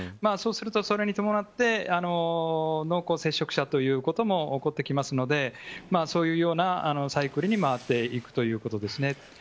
そうするとそれに伴って濃厚接触者ということも起こってきますのでそういうようなサイクルに回っていくということですね。